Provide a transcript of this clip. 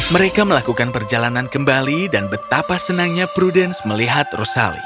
mereka melakukan perjalanan kembali dan betapa senangnya prudence melihat rosali